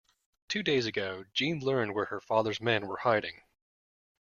Two days ago Jeanne learned where her father's men were hiding.